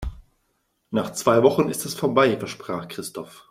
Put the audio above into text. Nach zwei Wochen ist es vorbei, versprach Christoph.